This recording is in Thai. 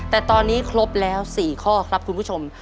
แต่ตอนนี้ครบแล้ว๔ข้อครับคุณผู้ชม